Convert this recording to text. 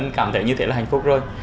bản thân cảm thấy như thế là hạnh phúc rồi